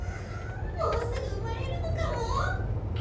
もうすぐ生まれるのかも。